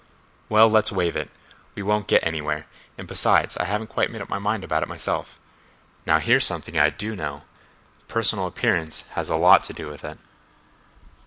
"Well, let's waive it—we won't get anywhere, and besides I haven't quite made up my mind about it myself. Now, here's something I do know—personal appearance has a lot to do with it."